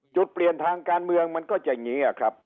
จุดเปลี่ยนทางการเมืองมันก็จะอย่างนี้ครับ